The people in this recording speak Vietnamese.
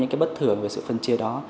những bất thường về sự phân chia đó